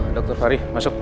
ayo dr fahri masuk